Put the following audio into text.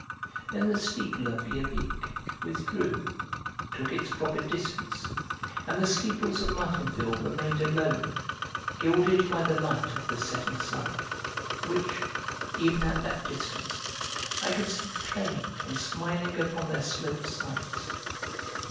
Then the steeple of Vieuxvicq withdrew, took its proper distance, and the steeples of Martinville remained alone, gilded by the light of the setting sun, which, even at that distance, I could see playing and smiling upon their sloped sides.